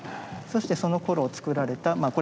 そしてそのころ作られたまあ